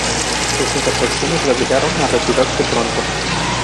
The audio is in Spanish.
Sus imperfecciones le obligaron a retirarse pronto.